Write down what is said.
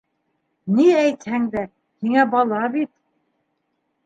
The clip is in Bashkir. Ни әйтһәң дә, һиңә бала бит.